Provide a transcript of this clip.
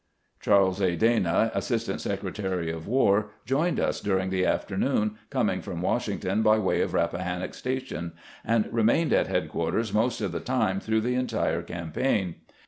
Charles A. Dana, Assistant Secretary of War, joined us during the forenoon, coming from Washington by way of Rappahannock Station, and remained at head quarters most of the time through the entire campaign.